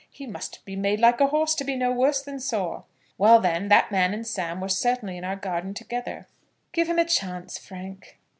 He must be made like a horse to be no worse than sore. Well, then, that man and Sam were certainly in our garden together." "Give him a chance, Frank."